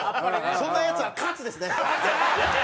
そんなヤツら喝！ですね。